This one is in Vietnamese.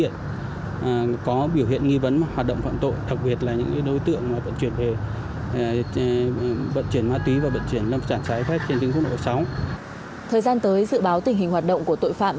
thời gian tới dự báo tình hình hoạt động của tội phạm